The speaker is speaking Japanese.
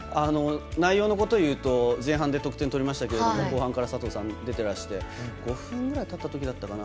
内容のことを言うと、前半で得点取りましたけど後半から佐藤さん、出てらして５分ぐらいたったときかな。